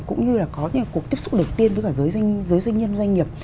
cũng như là có cái cuộc tiếp xúc đầu tiên với cả giới doanh nhân doanh nghiệp